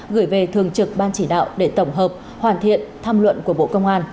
gửi về thường trực ban chỉ đạo để tổng hợp hoàn thiện tham luận của bộ công an